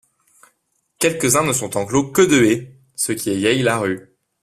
Quelques-uns ne sont enclos que de haies, ce qui égaye la rue.